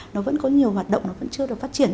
nó vẫn có nhiều hoạt động nó vẫn chưa được phát triển